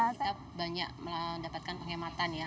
kita banyak mendapatkan penghematan ya